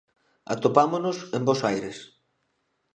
Atopámonos en Bos Aires.